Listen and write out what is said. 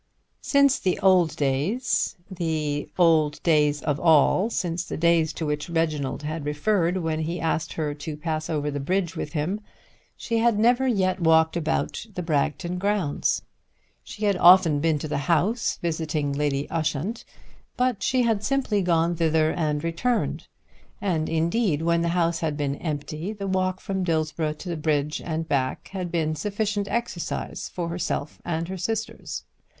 Since the old days, the old days of all, since the days to which Reginald had referred when he asked her to pass over the bridge with him, she had never yet walked about the Bragton grounds. She had often been to the house, visiting Lady Ushant; but she had simply gone thither and returned. And indeed, when the house had been empty, the walk from Dillsborough to the bridge and back had been sufficient exercise for herself and her sisters.